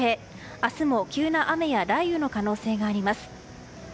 明日も急な雨や雷雨の可能性があります。